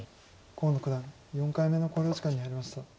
河野九段４回目の考慮時間に入りました。